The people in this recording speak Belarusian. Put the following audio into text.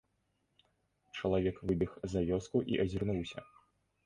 Чалавек выбег за вёску і азірнуўся.